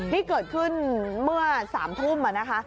นี่เกิดขึ้นเมื่อ๓ทุ่มนะคะ